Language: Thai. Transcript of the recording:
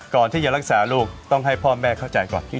ก่อนที่จะรักษาลูกต้องให้พ่อแม่เข้าใจก่อน